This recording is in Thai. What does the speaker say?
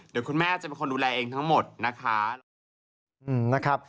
เดี๋ยวคุณแม่จะเป็นคนดูแลเองทั้งหมดนะคะ